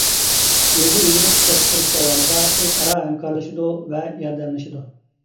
يېزا ئىگىلىك ئىشلەپچىقىرىش داۋامىدا ئۆزئارا ھەمكارلىشىدۇ ۋە ياردەملىشىدۇ.